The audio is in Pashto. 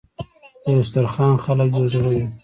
د یو دسترخان خلک یو زړه وي.